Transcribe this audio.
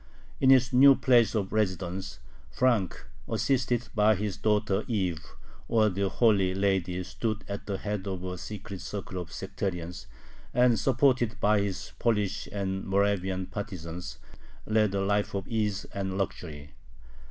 In his new place of residence, Frank, assisted by his daughter Eve, or the "Holy Lady," stood at the head of a secret circle of sectarians, and, supported by his Polish and Moravian partisans, led a life of ease and luxury.